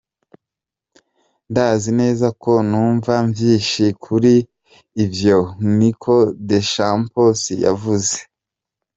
"Ndazi neza ko numva vyinshi kuri ivyo," niko Deschamps yavuze.